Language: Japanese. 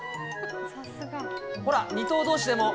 ほら、２頭どうしでも。